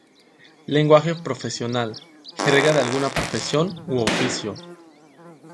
Lenguaje profesional: jerga de alguna profesión u oficio.